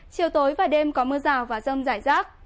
chiều tối và đêm có mưa rào và rông rải rác